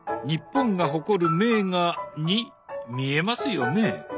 日本が誇る名画に見えますよね？